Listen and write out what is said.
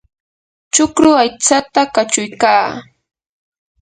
chukru aytsata kachuykaa.